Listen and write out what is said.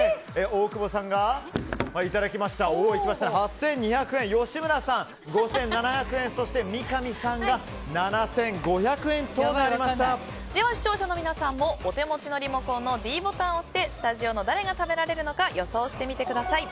大久保さんが８２００円吉村さん、５７００円そして三上さんが視聴者の皆さんもお手持ちのリモコンのｄボタンを押してスタジオの誰が食べられるのか予想してみてください。